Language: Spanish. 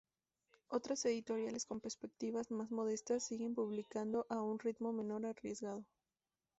Otras editoriales, con perspectivas más modestas, siguen publicando a un ritmo menos arriesgado.